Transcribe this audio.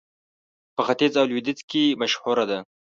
په ختيځ او لوېديځ کې مشهوره ده.